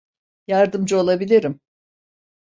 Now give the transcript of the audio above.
Yardımcı olabilirim.